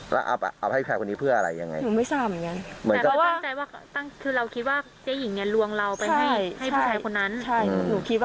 แล้วเอาให้ใครคนนี้เพื่ออะไรยังไง